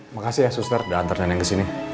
makasih ya suster udah antar neneng kesini